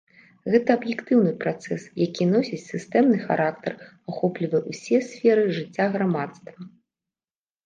Гэта аб'ектыўны працэс, які носіць сістэмны характар, ахоплівае ўсе сферы жыцця грамадства.